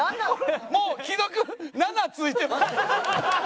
もう既読７ついてます。